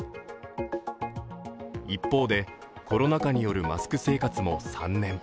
一方で、コロナ禍によるマスク生活も３年。